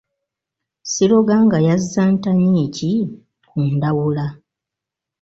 Siroganga yazza ntanyi ki ku Ndawula?